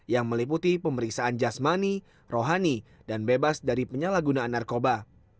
yang meliputi pemeriksaan jasmani rohani dan bebas dari penyalahgunaan narkoba